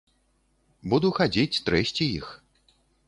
Буду хадзіць, трэсці іх.